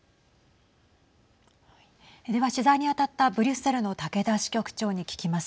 では取材に当たったブリュッセルの竹田支局長に聞きます。